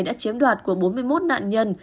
đã chiếm đoạt của bốn mươi một nạn nhân